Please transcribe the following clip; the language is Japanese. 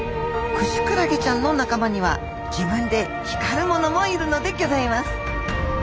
クシクラゲちゃんの仲間には自分で光るものもいるのでぎょざいます。